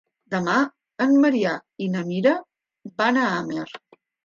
Demà en Maria i na Mira van a Amer.